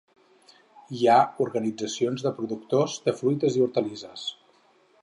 Hi ha organitzacions de productors de fruites i hortalisses.